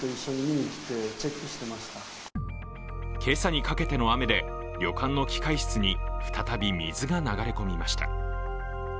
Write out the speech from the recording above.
けさにかけての雨で旅館の機械室に再び水が流れ込みました。